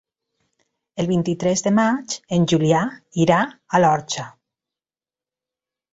El vint-i-tres de maig en Julià irà a l'Orxa.